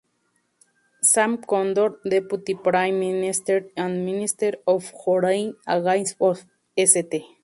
Sam Condor, Deputy Prime Minister and Minister of Foreign Affairs of St.